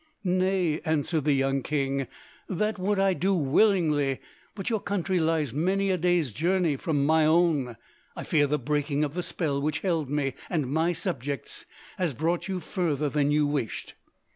"Nay," answered the young king, "that would I do willingly, but your country lies many a day's journey from my own. I fear the breaking of the spell which held me and my subjects has brought you further than you wished."